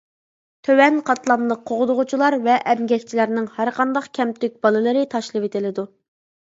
تۆۋەن قاتلاملىق قوغدىغۇچىلار ۋە ئەمگەكچىلەرنىڭ ھەرقانداق «كەمتۈك» بالىلىرى تاشلىۋېتىلىدۇ.